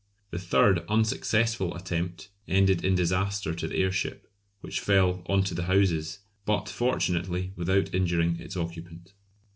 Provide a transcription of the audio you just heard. The third unsuccessful attempt ended in disaster to the airship, which fell on to the houses, but fortunately without injuring its occupant.